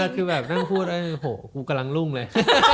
คือแบบนั่งพูดโอ้โหกูกำลังรุ่งเลย